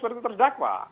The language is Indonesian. seperti dia terdakwa